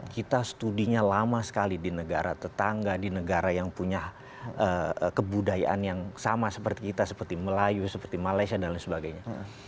kita studinya lama sekali di negara tetangga di negara yang punya kebudayaan yang sama seperti kita seperti melayu seperti malaysia dan lain sebagainya